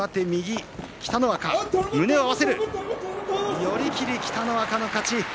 寄り切り、北の若の勝ち。